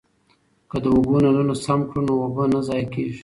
که د اوبو نلونه سم کړو نو اوبه نه ضایع کیږي.